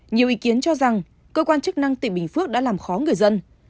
nhiều ý kiến cho rằng cơ quan chức năng tỉnh bình phước đã làm khó người dân